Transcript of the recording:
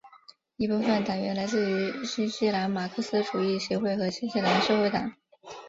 一部分党员来自于新西兰马克思主义协会和新西兰社会党。